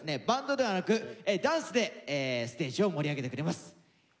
バンドではなくダンスでステージを盛り上げてくれます。